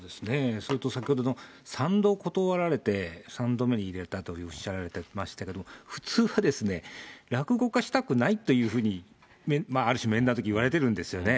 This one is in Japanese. それと先ほどの３度断られて３度目に入れたとおっしゃられてましたけど、普通はですね、落語家したくないというふうに面談のときにある種、いわれてるんですよね。